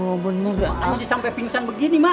lu kenapa ini bisa begini nih